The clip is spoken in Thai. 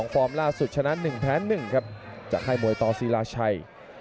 ฟอร์มล่าสุดชนะ๑แพ้๑ครับจากค่ายมวยต่อศิลาชัย